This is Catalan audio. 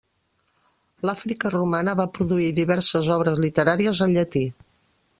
L'Àfrica romana va produir diverses obres literàries en llatí.